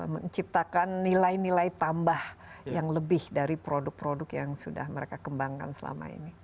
menciptakan nilai nilai tambah yang lebih dari produk produk yang sudah mereka kembangkan selama ini